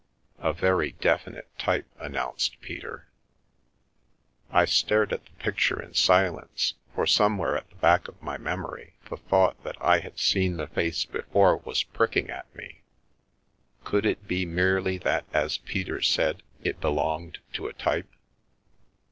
" A very definite type," announced Peter. I stared at the picture in silence, for somewhere at the back of my memory the thought that I had seen the face before was pricking at me. Could it be merely that, as Peter said, it belonged to a type?